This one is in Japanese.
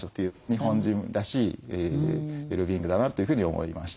日本人らしいウェルビーイングだなというふうに思いました。